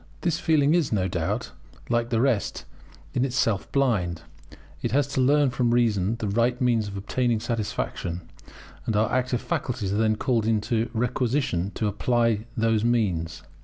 This feeling is, no doubt, like the rest, in itself blind; it has to learn from reason the right means of obtaining satisfaction; and our active faculties are then called into requisition to apply those means.